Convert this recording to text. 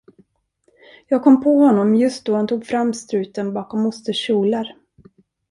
Jag kom på honom just då han tog fram struten bakom mosters kjolar.